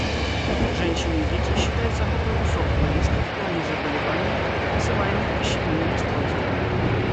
Женщины и дети считаются группой высокого риска в плане заболеваний, вызываемых пищевыми расстройствами.